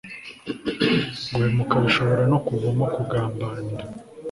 guhemuka bishobora no kuvamo kugambanira